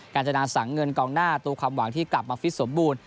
จนาสังเงินกองหน้าตัวความหวังที่กลับมาฟิตสมบูรณ